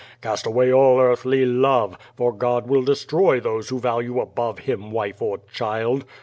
Cast away all earthly love, for God will destroy those who value above Him wife or child.